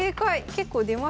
結構出ますね。